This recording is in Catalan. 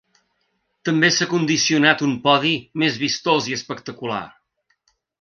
També s’ha condicionat un podi més vistós i espectacular.